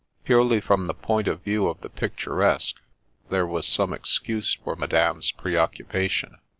Purely from the point of view of the picturesque, there was some excuse for madame's preoccupation.